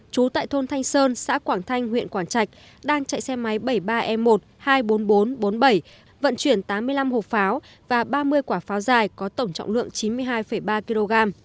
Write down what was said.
trú tại thôn thanh sơn xã quảng thanh huyện quảng trạch đang chạy xe máy bảy mươi ba e một hai mươi bốn nghìn bốn trăm bốn mươi bảy vận chuyển tám mươi năm hộp pháo và ba mươi quả pháo dài có tổng trọng lượng chín mươi hai ba kg